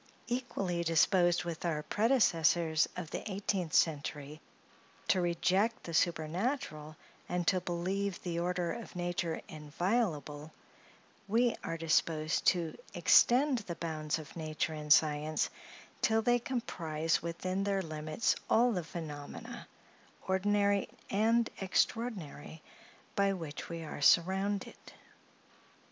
Equally disposed with our predecessors of the eighteenth century to reject the supernatural, and to believe the order of nature inviolable, we are disposed to extend the bounds of nature and science, till they comprise within their limits all the phenomena, ordinary and extraordinary, by which we are surrounded.